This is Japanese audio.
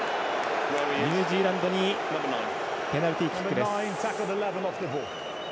ニュージーランドにペナルティキックです。